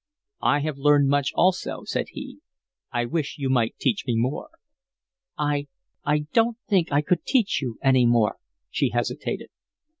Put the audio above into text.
"I have learned much also," said he. "I wish you might teach me more." "I I don't think I could teach you any more," she hesitated.